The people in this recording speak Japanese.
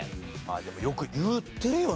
でもよく言ってるよね